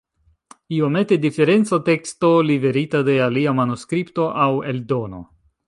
Iomete diferenca teksto, liverita de alia manuskripto aŭ eldono.